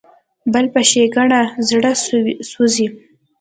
د بل په ښېګڼه زړه سوځي.